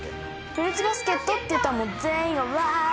「フルーツバスケット」って言ったら全員がわって。